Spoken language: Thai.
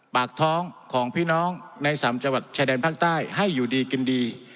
ปากท้องของพี่น้องในสามจังหวัดชายแดนภาคใต้ให้อยู่ดีกินดี